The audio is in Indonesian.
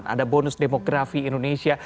ada bonus demografi indonesia